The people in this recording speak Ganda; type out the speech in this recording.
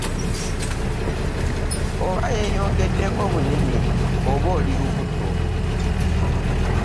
Oba yeyongedeko bunene oba oli lubuto.